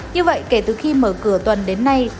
như vậy kể từ khi mở cửa tuần đến nay